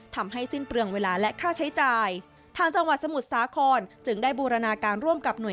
ทำให้สิ้นเปลืองเวลาและค่าใช้จ่าย